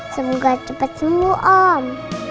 semoga cepet sembuh om